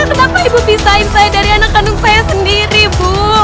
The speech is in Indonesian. kenapa ibu pisain saya dari anak kandung saya sendiri bu